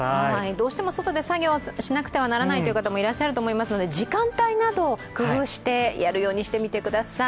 どうしても外で作業をしなくてはならないという方もいらっしゃると思いますので、時間帯など工夫してやるようにしてみてください。